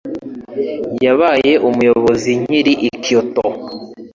Yabaye umuyobozi nkiri i Kyoto.